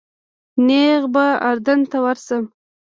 نیغ به اردن ته ورشم.